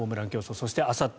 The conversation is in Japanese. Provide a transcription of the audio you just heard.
そしてあさって